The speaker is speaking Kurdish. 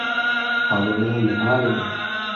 Bavê min li malê ye.